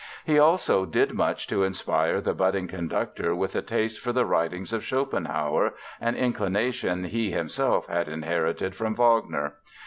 He also did much to inspire the budding conductor with a taste for the writings of Schopenhauer, an inclination he himself had inherited from Wagner.